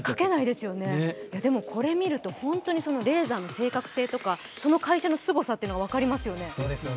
でもこれ見ると本当にレーザーの正確性とかその会社のすごさが分かりますよね。